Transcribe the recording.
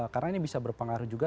karena ini bisa berpengaruh juga